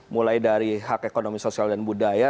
mulai dari hak ekonomi sosial dan budaya